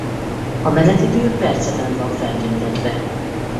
A menetidő perceben van feltüntetve.